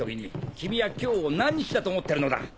君は今日を何日だと思ってるのだ。